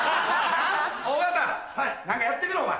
尾形何かやってみろお前。